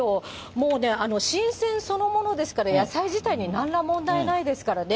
もうね、新鮮そのものですから、野菜自体になんら問題ないですからね。